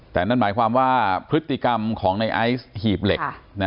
แต่นั่นหมายความว่าพฤติกรรมของในไอซ์หีบเหล็ก